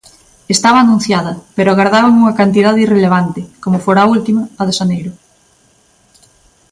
Estaba anunciada, pero agardaban unha cantidade irrelevante, como fora a última, a de xaneiro.